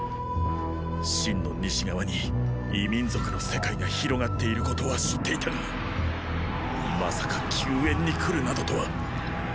秦の西側に異民族の世界が広がっていることは知っていたがまさか救援に来るなどとは！